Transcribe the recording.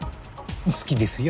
好きですよ。